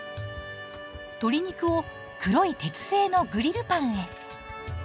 鶏肉を黒い鉄製のグリルパンへ。